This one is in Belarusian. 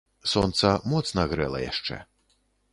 Сонца моцна грэла яшчэ.